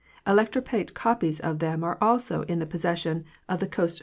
Electro plate copies of them are also in the possession of the Coast